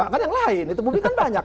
kan yang lain itu publik kan banyak